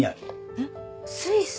えっスイス？